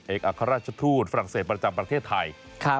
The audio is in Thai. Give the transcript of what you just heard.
อัครราชทูตฝรั่งเศสประจำประเทศไทย